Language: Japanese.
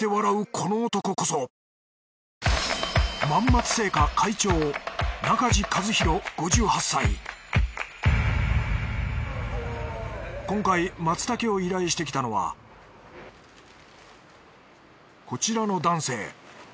この男こそ今回マツタケを依頼してきたのはこちらの男性。